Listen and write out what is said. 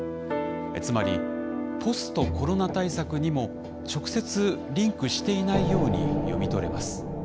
つまりポストコロナ対策にも直接リンクしていないように読み取れます。